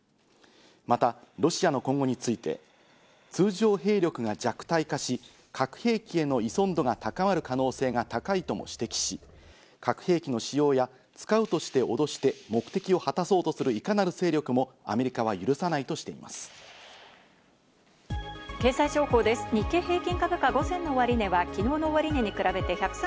またロシアの今後について、通常兵力が弱体化し、核兵器への依存度が高まる可能性が高いとも指摘し、核兵器の使用や使うとしておどして目的を果たそうとするいかなる生理だからこそできるだけ気持ちいいものを身につけたい。